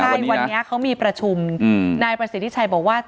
ใช่วันนี้เขามีประชุมนายประสิทธิชัยบอกว่า